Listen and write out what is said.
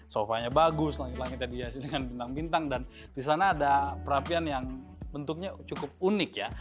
sofanya bagus langit langitnya dihasilkan bintang bintang dan disana ada perapian yang bentuknya cukup unik ya